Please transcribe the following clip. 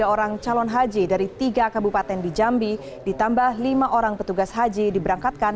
dua ratus lima puluh tiga orang calon haji dari tiga kabupaten di jambi ditambah lima orang petugas haji diberangkatkan